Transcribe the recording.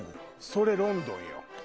それロンドンよ。